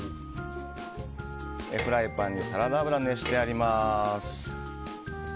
フライパンにサラダ油を熱してあります。